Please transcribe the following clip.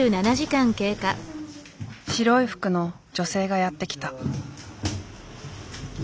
白い服の女性がやって来た。